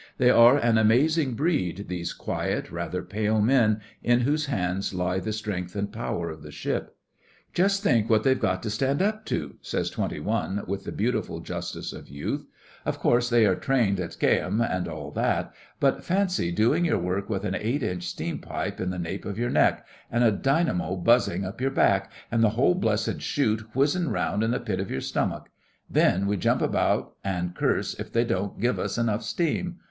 They are an amazing breed, these quiet, rather pale men, in whose hands lie the strength and power of the ship. 'Just think what they've got to stand up to,' says Twenty One, with the beautiful justice of youth. 'Of course, they are trained at Keyham and all that; but fancy doing your work with an eight inch steam pipe in the nape of your neck, an' a dynamo buzzin' up your back, an' the whole blessed shoot whizzin' round in the pit of your stomach! Then we jump about an' curse if they don't give us enough steam.